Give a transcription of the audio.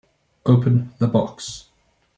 Open the box.